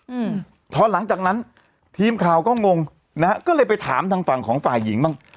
อืมพอหลังจากนั้นทีมข่าวก็งงนะฮะก็เลยไปถามทางฝั่งของฝ่ายหญิงบ้าง